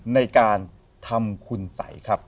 ในการทำคุณสัยครับ